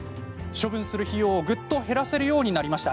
処分する費用をぐっと減らせるようになりました。